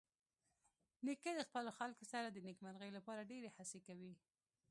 نیکه د خپلو خلکو سره د نیکمرغۍ لپاره ډېرې هڅې کوي.